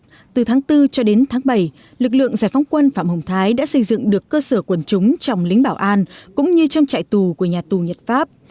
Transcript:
từ tháng bốn cho đến tháng bảy lực lượng giải phóng quân phạm hồng thái đã xây dựng được cơ sở quần chúng trong lính bảo an cũng như trong trại tù của nhà tù nhật pháp